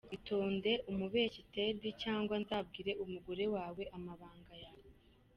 Itonde umubeshyi Ted cyangwa nzabwire umugore wawe amabanga yawe.